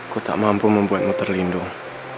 ku tak mampu membuatmu terlindung